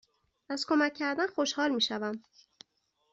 از کمک کردن خوشحال می شوم.